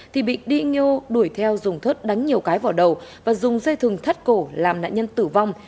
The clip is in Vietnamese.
thì bị điêu đuổi theo dùng thớt đánh nhiều cái vào đầu và dùng dây thừng thắt cổ làm nạn nhân tử vong